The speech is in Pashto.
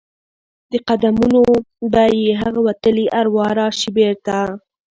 د قدمونو به یې هغه وتلي اروا راشي بیرته؟